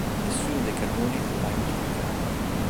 Nessuno dei cannoni fu mai utilizzato.